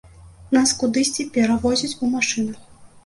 Нас кудысьці перавозяць у машынах.